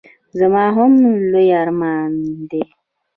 زما هم لوی ارمان دی.